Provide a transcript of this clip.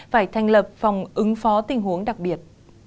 phải thành lập phòng ứng phó tình huống đặc biệt